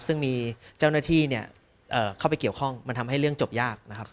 ซึ่งมีเจ้าหน้าที่เข้าไปเกี่ยวข้องมันทำให้เรื่องจบยากนะครับ